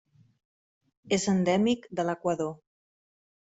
És endèmic de l'Equador.